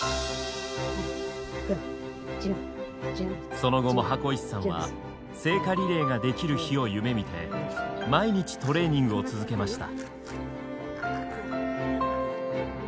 その後も箱石さんは聖火リレーができる日を夢みて毎日トレーニングを続けました。